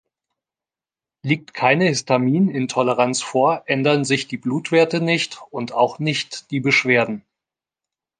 Liegt keine Histamin-Intoleranz vor, ändern sich die Blutwerte nicht und auch nicht die Beschwerden.